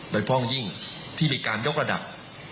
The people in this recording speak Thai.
โดยเพราะยิ่งที่มีการยกระดับ